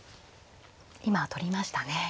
今取りましたね。